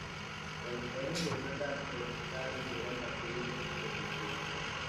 Con los ejes de una carreta hicieron la cruz de su sepultura.